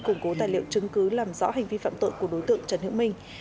củng cố tài liệu chứng cứ làm rõ hành vi phạm tội của đối tượng trần hữu minh